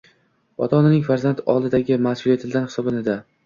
Ota-onaning farzand oldidagi masʼuliyatlaridan hisoblanadi.